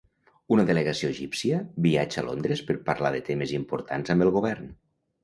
Una delegació egípcia viatja a Londres per parlar de temes importants amb el govern.